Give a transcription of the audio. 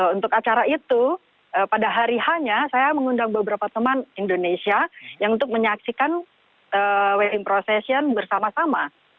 untuk acara itu pada hari hanya saya mengundang beberapa teman indonesia yang untuk menyaksikan wedding procession bersama sama